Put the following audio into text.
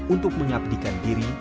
untuk mengabdikan diri